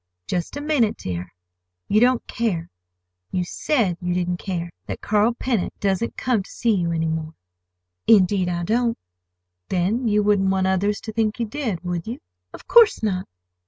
"Just a minute, dear. You don't care—you said you didn't care—that Carl Pennock doesn't come to see you any more?" "Indeed I don't!" "Then you wouldn't want others to think you did, would you?" "Of course not!"